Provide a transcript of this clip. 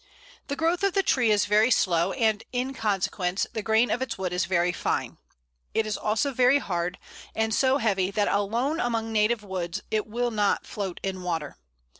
] The growth of the tree is very slow, and, in consequence, the grain of its wood is very fine. It is also very hard, and so heavy that alone among native woods it will not float in water.